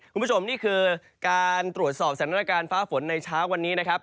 คุณผู้ชมนี่คือการตรวจสอบแสนนอการฟ้าฝนในเช้าวันนี้